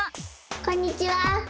こんにちは！